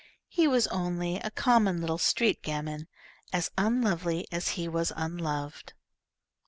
He was only a common little street gamin, as unlovely as he was unloved.